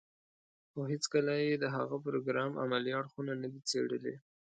خو هېڅکله يې د هغه پروګرام عملي اړخونه نه دي څېړلي.